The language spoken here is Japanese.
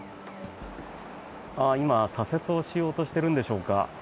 今、左折をしようとしているんでしょうか。